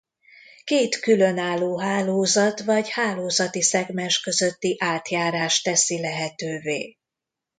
Két különálló hálózat vagy hálózati szegmens közötti átjárást teszi lehetővé.